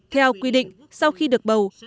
theo quy định sau khi được bầu